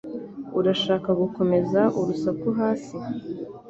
Urashaka gukomeza urusaku hasi?